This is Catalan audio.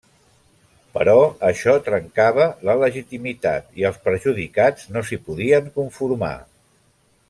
Però això trencava la legitimitat i els perjudicats no s'hi podien conformar.